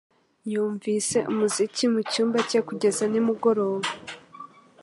yumvise umuziki mu cyumba cye kugeza nimugoroba.